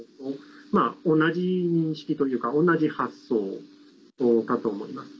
同じ認識というか同じ発想かと思います。